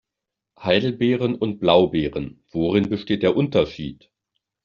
Heidelbeeren und Blaubeeren - worin besteht der Unterschied?